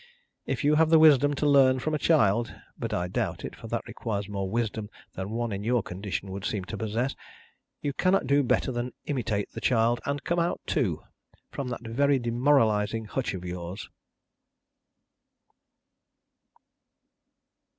If you have the wisdom to learn from a child (but I doubt it, for that requires more wisdom than one in your condition would seem to possess), you cannot do better than imitate the child, and come out too from that very demoralising hutch of yours."